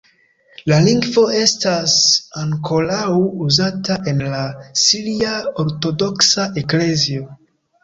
La lingvo estas ankoraŭ uzata en la siria ortodoksa eklezio.